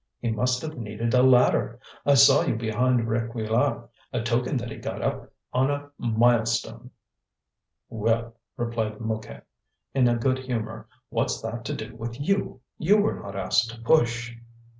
he must have needed a ladder. I saw you behind Réquillart, a token that he got up on a milestone." "Well," replied Mouquette, in a good humour, "what's that to do with you? You were not asked to push."